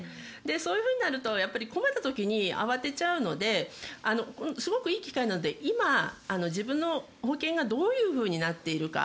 そういうふうになると困った時に慌てちゃうのですごくいい機会なので今、自分の保険がどういうふうになっているのか。